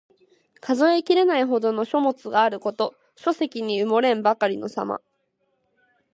数えきれないほどの書物があること。書籍に埋もれんばかりのさま。